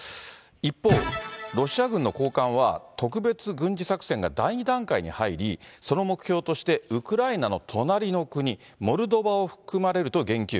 一方、ロシア軍の高官は特別軍事作戦が第２段階に入り、その目標として、ウクライナの隣の国、モルドバも含まれると言及。